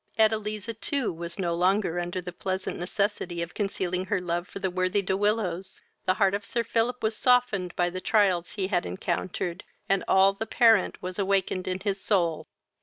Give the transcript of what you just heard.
Edeliza too was no longer under the unpleasant necessity of concealing her love for the worthy De Willows. The heart of Sir Philip was softened by the trials he had encountered, and all the parent was awakened in his soul.